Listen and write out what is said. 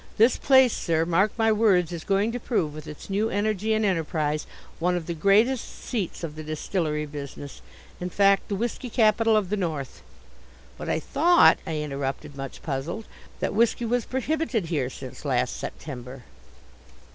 This place, sir, mark my words, is going to prove, with its new energy and enterprise, one of the greatest seats of the distillery business, in fact, the whisky capital of the North " "But I thought," I interrupted, much puzzled, "that whisky was prohibited here since last September?"